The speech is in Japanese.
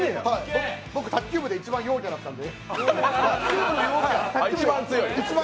僕、卓球部で一番陽キャだったんで。